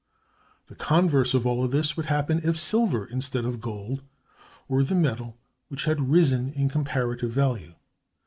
The converse of all this would happen if silver, instead of gold, were the metal which had risen in comparative value.